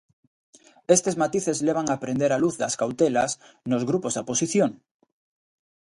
Estes matices levan a prender a luz das cautelas nos grupos da oposición.